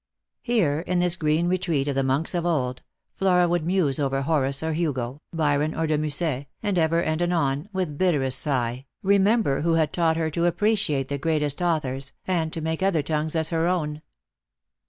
Here, in this green retreat of the monks of old, Flora would muse over Horace or Hugo, Byron or De Musset, and ever and anon, with bitterest sigh, remember who had taught her to appreciate the greatest authors, and to make other tongues as her own.